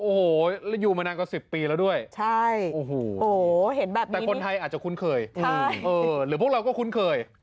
โอ้โหอยู่มานานกว่า๑๐ปีแล้วด้วยใช่โอ้โหเห็นแบบนี้แต่คนไทยอาจจะคุ้นเคยหรือพวกเราก็คุ้นเคย